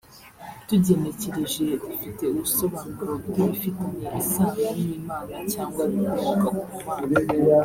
tugenekereje rifite ubusobanuro bw’ibifitanye isano n’Imana cyangwa ibikomoka ku Mana